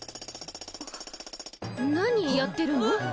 何やってるの？